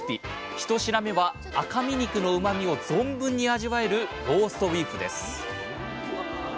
１品目は赤身肉のうまみを存分に味わえるローストビーフです。